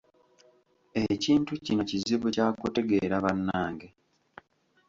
Ekintu kino kizibu kya kutegeera bannange.